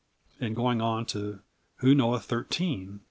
and going on to "Who knoweth thirteen?"